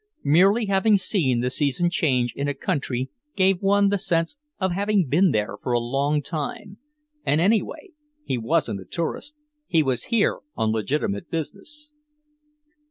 Merely having seen the season change in a country gave one the sense of having been there for a long time. And, anyway, he wasn't a tourist. He was here on legitimate business.